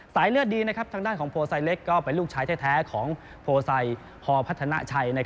เลือดดีทางด้านของโพไซเล็กก็เป็นลูกชายแท้ของโพไซฮอพัฒนาชัย